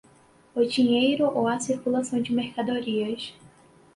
O dinheiro ou a circulação de mercadorias